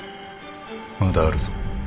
まだあるぞ。